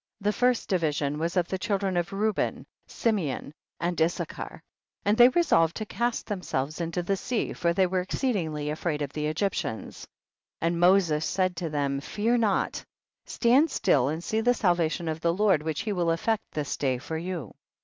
27. The first division was of the children of Reuben, Simeon and Is sachar, and they resolved to cast themselves into the sea, for they were exceedingly afraid of the Egyp tians. 28. And Moses said to them, fear not, stand still and see the salvation of the Lord which he will effect this day for you.